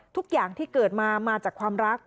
ทุกอย่างที่เกิดมามาจากความรัก